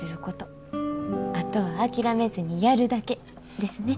あとは諦めずにやるだけ」ですね。